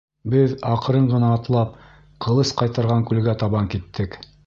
Беҙ, аҡрын гына атлап, «Ҡылыс ҡайтарған» күлгә табан киттек.